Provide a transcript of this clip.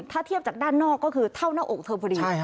ถ้าเทียบจากด้านนอกก็คือเท่าหน้าอกเธอพอดี